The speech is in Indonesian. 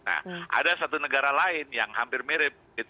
nah ada satu negara lain yang hampir mirip